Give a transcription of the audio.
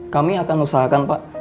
kami akan usahakan pak